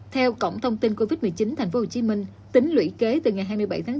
theo cổng thông tin covid một mươi chín tp hcm tính lũy kế từ ngày hai mươi bảy tháng bốn